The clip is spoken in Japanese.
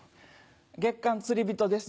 月刊『つり人』です。